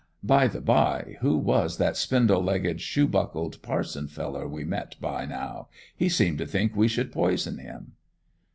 By the bye, who was that spindle legged, shoe buckled parson feller we met by now? He seemed to think we should poison him!